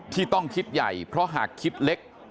ที่ต้องคิดใหญ่เพราะหากคิดเล็ก